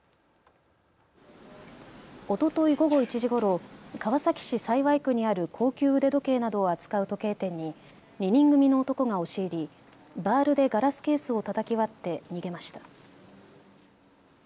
おととい午後１時ごろ、川崎市幸区にある高級腕時計などを扱う時計店に２人組の男が押し入りバールでガラスケースをたたき割って逃げました。